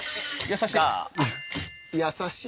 優しい。